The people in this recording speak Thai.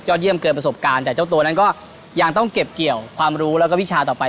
ยอดเยี่ยมเกินประสบการณ์และเจ้าตัวต็อต้องเก็บเกี่ยวความรู้และวิชาต่อไป